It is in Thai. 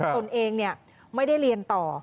ตนเองไม่ได้เรียนต่อ